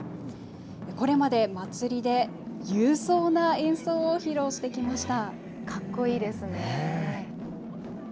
これまで祭りで勇壮な演奏を披露してきました。